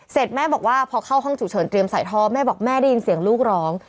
แม่บอกว่าพอเข้าห้องฉุกเฉินเตรียมใส่ท่อแม่บอกแม่ได้ยินเสียงลูกร้อง